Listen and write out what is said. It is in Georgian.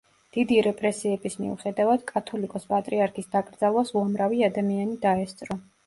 დიდი რეპრესიების მიუხედავად კათოლიკოს-პატრიარქის დაკრძალვას უამრავი ადამიანი დაესწრო.